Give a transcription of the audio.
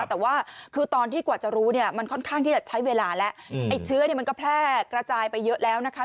แต่ว่าคือตอนที่กว่าจะรู้เนี่ยมันค่อนข้างที่จะใช้เวลาแล้วไอ้เชื้อเนี่ยมันก็แพร่กระจายไปเยอะแล้วนะคะ